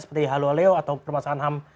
seperti halo leo atau permasalahan ham